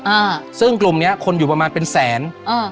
อ่าซึ่งกลุ่มเนี้ยคนอยู่ประมาณเป็นแสนอ่า